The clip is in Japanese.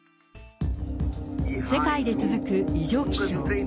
世界で続く異常気象。